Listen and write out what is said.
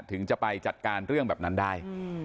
ถึงจะไปจัดการเรื่องแบบนั้นได้